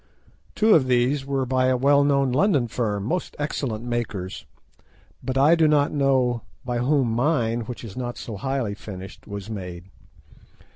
Two of these were by a well known London firm, most excellent makers, but I do not know by whom mine, which is not so highly finished, was made.